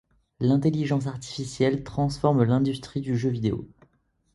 L'intelligence artificielle transforme l'industrie du jeu vidéo.